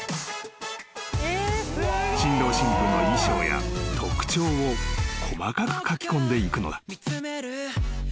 ［新郎新婦の衣装や特徴を細かく描きこんでいくのだ］